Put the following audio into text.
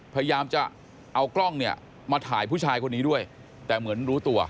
พยายามจะเอากล้องเนี่ยมาถ่ายผู้ชายคนนี้ด้วยแต่เหมือนรู้ตัว